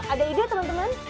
ada ide teman teman